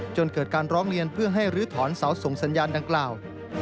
จนเกิดการร้องเรียนเพื่อให้ลื้อถอนเสาส่งสัญญาณดังกล่าว